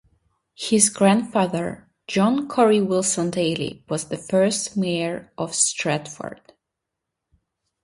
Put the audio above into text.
His grandfather, John Corry Wilson Daly, was the first mayor of Stratford.